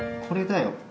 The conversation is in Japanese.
これだよ！